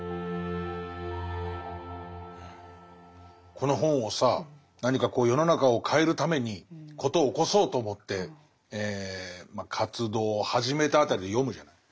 この本をさ何かこう世の中を変えるために事を起こそうと思って活動を始めた辺りで読むじゃない。